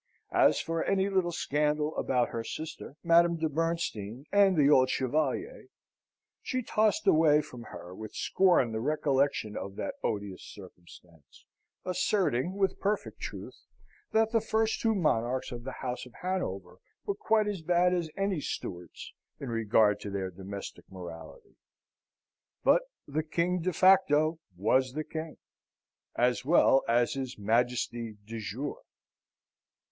As for any little scandal about her sister, Madame de Bernstein, and the Old Chevalier, she tossed away from her with scorn the recollection of that odious circumstance, asserting, with perfect truth, that the two first monarchs of the House of Hanover were quite as bad as any Stuarts in regard to their domestic morality. But the king de facto was the king, as well as his Majesty de jure.